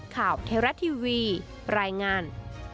ข่าวเทราะทีวีปรายงาน